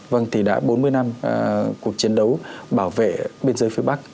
vâng thì đã bốn mươi năm cuộc chiến đấu bảo vệ biên giới phía bắc